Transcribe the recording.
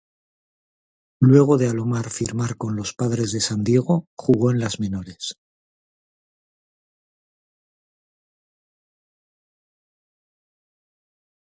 Luego de Alomar firmar con los Padres de San Diego, jugó en las menores.